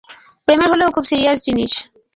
প্রেমের হলেও খুব সিরিয়াস জিনিস।